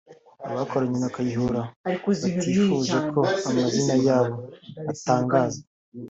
abakoranye na Kayihura batifuje ko amazina yabo atangazwa